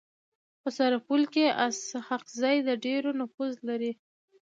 په سرپل کي اسحق زي د ډير نفوذ لري.